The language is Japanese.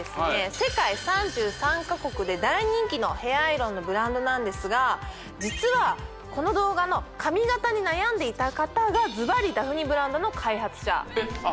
世界３３か国で大人気のヘアアイロンのブランドなんですが実はこの動画の髪形に悩んでいた方がズバリダフニブランドの開発者えっ